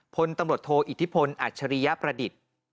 พตโอิทธิพลอัชรีประดิษฐ์